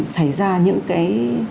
xảy ra những cái